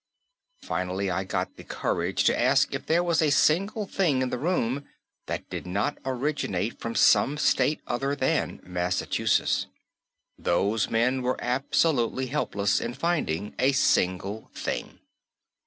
Finally I got the courage to ask if there was a single thing in the room that did not originate from some state other than Massachusetts. Those men were absolutely helpless in finding a single thing.